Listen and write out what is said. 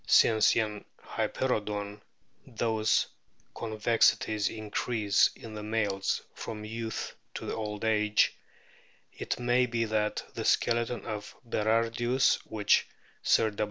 Since in Hyperoodon those convexities increase in the males from youth to old age, it may be that the skeleton of Berardius which Sir